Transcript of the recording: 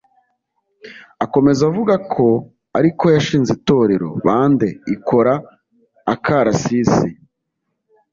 Akomeza avuga ko ariko yashinze itorero (bande) ikora akarasisi